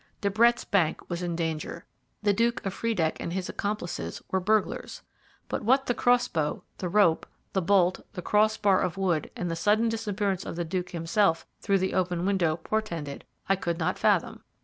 De Brett's bank was in danger the Duke of Friedeck and his accomplices were burglars; but what the crossbow, the rope, the bolt, the crossbar of wood, and the sudden disappearance of the Duke himself through the open window portended I could not fathom.